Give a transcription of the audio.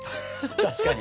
確かに。